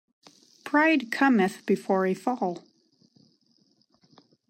Pride cometh before a fall.